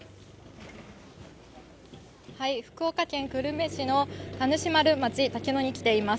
福岡県久留米市の田主丸町竹野に来ています。